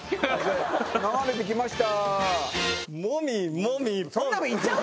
流れて来ました。